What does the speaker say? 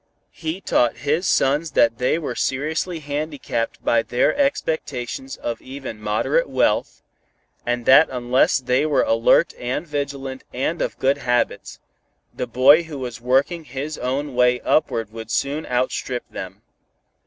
He taught his sons that they were seriously handicapped by their expectations of even moderate wealth, and that unless they were alert and vigilant and of good habits, the boy who was working his own way upward would soon outstrip them.